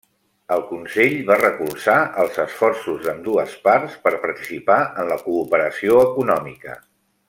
El Consell va recolzar els esforços d'ambdues parts per participar en la cooperació econòmica.